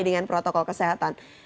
dengan protokol kesehatan